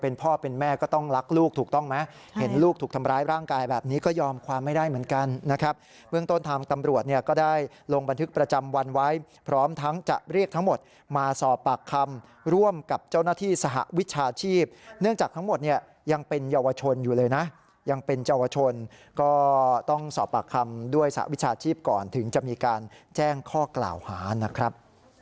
นั่งลงกับพื้นเลยยกมือไหว้ขอโทษแม่ของคนเจ็บ